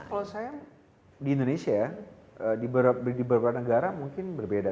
kalau saya di indonesia di beberapa negara mungkin berbeda